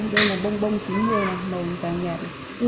đây là bông bông chín mươi màu vàng nhạt